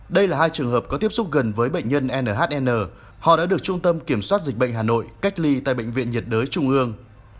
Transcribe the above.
đây là hai trường hợp có tiếp xúc gần với bệnh nhân nhn họ đã được trung tâm kiểm soát dịch bệnh hà nội cách ly tại bệnh viện nhiệt đới trung ương